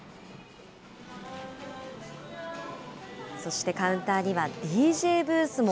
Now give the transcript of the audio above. そして、カウンターにはＤＪブースも。